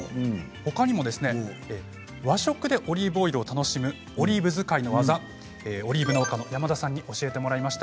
ほかにも和食でオリーブオイルを楽しむオリーブ使いの技オリーブ農家の山田さんに教えてもらいました。